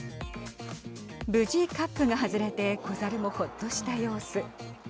無事、カップが外れて子ザルも、ほっとした様子。